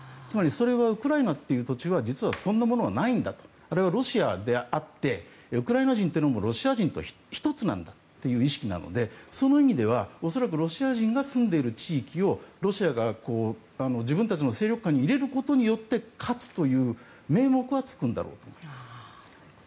つまりそれはウクライナという土地は実はそんなものはないんだとあれはロシアであってウクライナ人というのもロシア人と１つなんだという意識なのでその意味では恐らくロシア人が住んでいる地域をロシアが自分たちの勢力下に入れることによって勝つという名目はつくんだろうと思います。